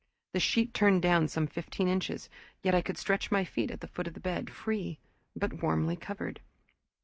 The sheet turned down some fifteen inches, yet I could stretch my feet at the foot of the bed free but warmly covered.